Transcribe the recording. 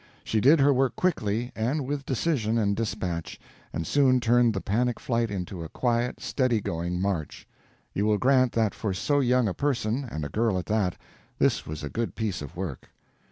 She did her work quickly and with decision and despatch, and soon turned the panic flight into a quite steady going march. You will grant that for so young a person, and a girl at that, this was a good piece of work.